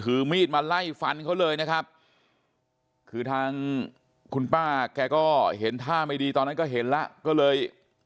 มีดมาไล่ฟันเขาเลยนะครับคือทางคุณป้าแกก็เห็นท่าไม่ดีตอนนั้นก็เห็นแล้วก็เลย